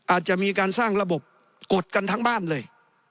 อาจจะมีการสร้างระบบกดกันทั้งบ้านเลย